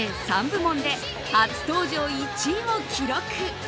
３部門で初登場１位を記録。